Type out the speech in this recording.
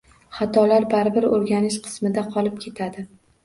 Xatolar baribir o’rganish qismida qolib ketadi